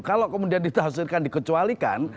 kalau kemudian dihasilkan dikecualikan